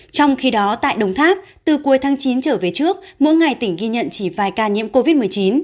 trong khi đó tại đồng tháp từ cuối tháng chín trở về trước mỗi ngày tỉnh ghi nhận chỉ vài ca nhiễm covid một mươi chín